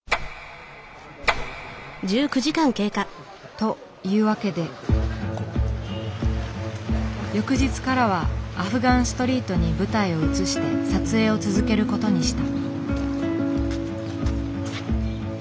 というわけで翌日からはアフガン・ストリートに舞台を移して撮影を続けることにした。